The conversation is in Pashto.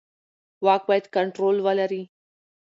واک باید کنټرول ولري